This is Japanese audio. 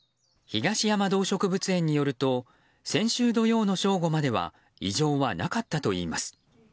東山動植物園によると先週土曜の正午までは異常はなかったといいます。